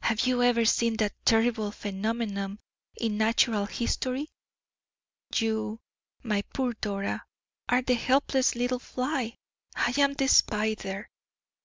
Have you ever seen that terrible phenomenon in natural history? You, my poor Dora, are the helpless little fly, I am the spider.